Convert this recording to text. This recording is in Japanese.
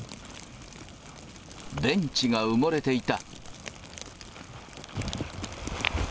ベンチが埋もれていた。